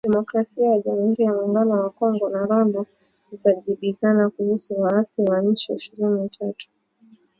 Demokrasia ya jamuhuri ya muungano ya Kongo na Rwanda zajibizana kuhusu waasi wa Machi ishirini na tatu